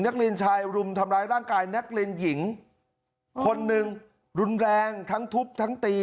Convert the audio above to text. นักเรียนชายรุมทำร้ายร่างกายนักเรียนหญิงคนหนึ่งรุนแรงทั้งทุบทั้งตี